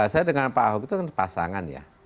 saya dengan pak ahok itu kan pasangan ya